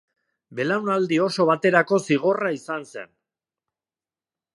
Belaunaldi oso baterako zigorra izan zen.